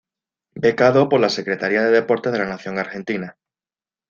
Becado por la Secretaría de Deportes de la Nación Argentina.